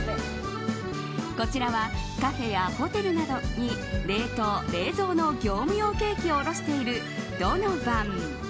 こちらは、カフェやホテルなどに冷凍・冷蔵の業務用ケーキを卸しているドノヴァン。